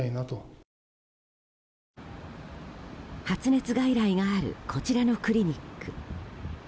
発熱外来があるこちらのクリニック。